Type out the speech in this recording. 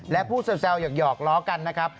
และพูดแซวเยาว์เยาวกล้อกันนะครับ